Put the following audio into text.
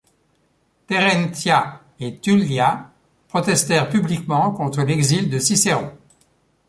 Terentia et Tullia protestèrent publiquement contre l’exil de Cicéron.